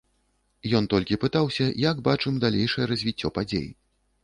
Ён толькі пытаўся, як бачым далейшае развіццё падзей.